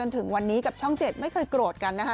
ถึงวันนี้กับช่อง๗ไม่เคยโกรธกันนะคะ